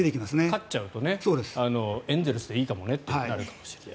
勝っちゃうとエンゼルスでいいかもねとなるかもしれない。